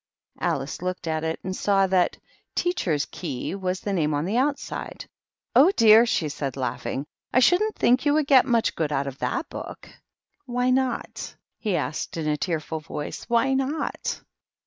''" Alice looked at it, and saw that " Teachers^ Key^^ was the name on the outside. " Oh, dear !" she said, laughing ;" I shouldn't think you would get much good out of that book." " Why not ?" he asked, in a tearful voice ; "why not?"